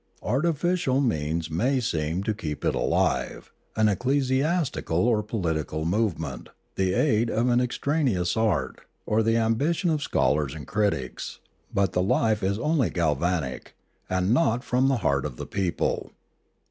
Artificial means may seem to keep it alive, an ecclesiastical or political movement, the aid of an ex traneous art, or the ambition of scholars and critics; but the life is only galvanic, and not from the heart of the people.